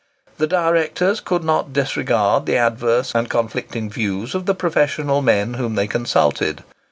The directors could not disregard the adverse and conflicting views of the professional men whom they consulted.